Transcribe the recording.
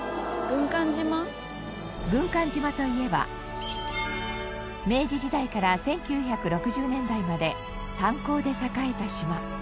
軍艦島といえば明治時代から１９６０年代まで炭鉱で栄えた島。